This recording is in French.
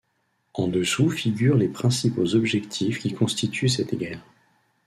En dessous figurent les principaux objectifs qui constituent cette guerre.